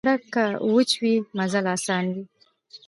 سړک که وچه وي، مزل اسان وي.